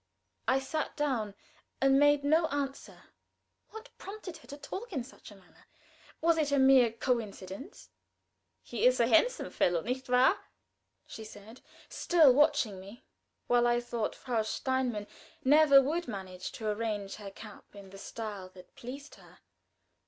I sat down and made no answer. What prompted her to talk in such a manner? Was it a mere coincidence? "He is a handsome fellow, nicht wahr?" she said, still watching me, while I thought Frau Steinmann never would manage to arrange her cap in the style that pleased her.